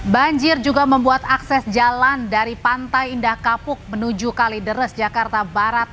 banjir juga membuat akses jalan dari pantai indah kapuk menuju kalideres jakarta barat